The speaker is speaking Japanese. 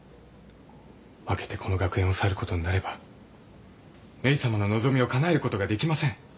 負けてこの学園を去ることになればメイさまの望みをかなえることができません。